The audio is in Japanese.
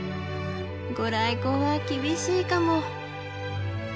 御来光は厳しいかも。